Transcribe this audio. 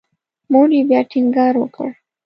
مور یې بیا ټینګار وکړ.